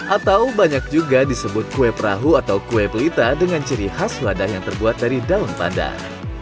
atau banyak juga disebut kue perahu atau kue pelita dengan ciri khas wadah yang terbuat dari daun pandan